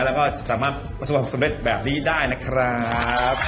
แล้วก็สามารถประสบความสำเร็จแบบนี้ได้นะครับ